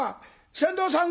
船頭さん